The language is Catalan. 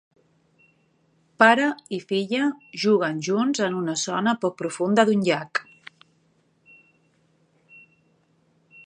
Pare i filla juguen junts en una zona poc profunda d'un llac.